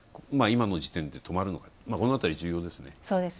今の時点で止まるのか、この辺り、重要ですね。